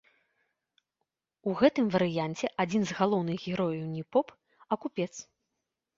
У гэтым варыянце адзін з галоўных герояў не поп, а купец.